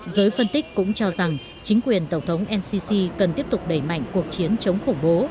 giới phân tích cũng cho rằng chính quyền tổng thống ncc cần tiếp tục đẩy mạnh cuộc chiến chống khủng bố